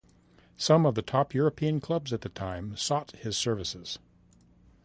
Some of the top European clubs at the time sought his services.